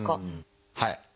はい。